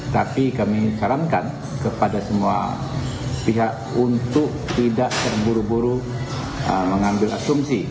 tapi kami sarankan kepada semua pihak untuk tidak terburu buru mengambil asumsi